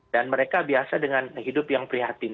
mereka biasa dengan hidup yang prihatin